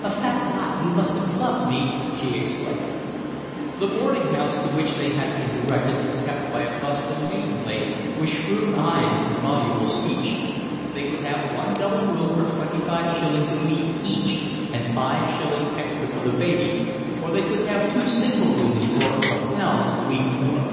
"A fat lot you must have loved me!" she exclaimed. The boarding house to which they had been directed was kept by a bustling maiden lady, with shrewd eyes and voluble speech. They could have one double room for twenty five shillings a week each, and five shillings extra for the baby, or they could have two single rooms for a pound a week more.